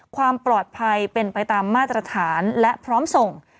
ความปลอดภัยเป็นไปตามมาตรฐานและพร้อมส่ง